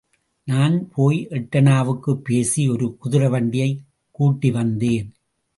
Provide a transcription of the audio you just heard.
நான் போய் எட்டணாவுக்குப் பேசி ஒரு குதிரை வண்டியைக் கூட்டிவந்தேன்.